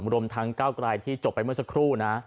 รวมทั้งก้าวกลายที่จบไปเมื่อสักครู่นะ